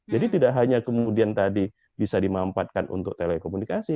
jadi tidak hanya kemudian tadi bisa dimanfaatkan untuk telekomunikasi